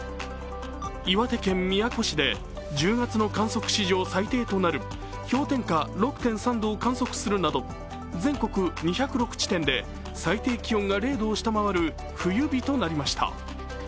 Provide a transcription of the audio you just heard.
岩手県宮古市で１０月の観測史上最低となる氷点下６．３度を観測するなど全国２０６地点で最低気温が０度を下回る冬日となりました。